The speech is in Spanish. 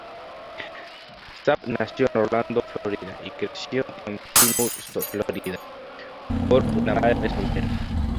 Sapp nació en Orlando, Florida y creció en Plymouth, Florida por una madre soltera.